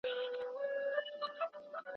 که علمي معلومات نه وي نو څېړنه مه کوه.